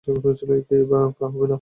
কে-ই বা হবে না?